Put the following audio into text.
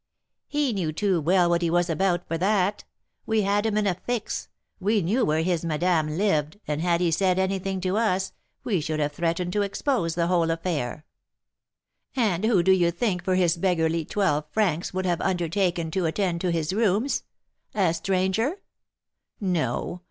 "He knew too well what he was about for that; we had him in a fix, we knew where his 'madame' lived, and had he said anything to us, we should have threatened to expose the whole affair. And who do you think for his beggarly twelve francs would have undertaken to attend to his rooms, a stranger? No!